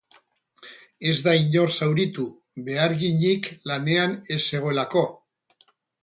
Ez da inor zauritu, beharginik lanean ez zegoelako.